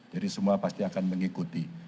jadi semua pasti akan mengikuti